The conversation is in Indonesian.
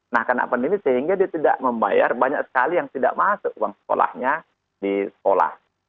nah kena pandemi sehingga dia tidak membayar banyak sekali yang tidak masuk uang sekolahnya di sekolah